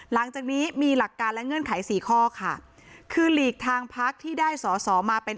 หลังจากนี้มีหลักการและเงื่อนไขสี่ข้อค่ะคือหลีกทางพักที่ได้สอสอมาเป็น